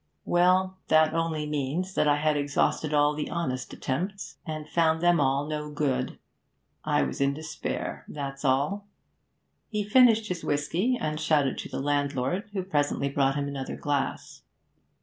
Well, that only means that I had exhausted all the honest attempts, and found them all no good. I was in despair, that's all.' He finished his whisky and shouted to the landlord, who presently brought him another glass.